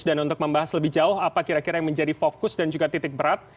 dan untuk membahas lebih jauh apa kira kira yang menjadi fokus dan juga titik berat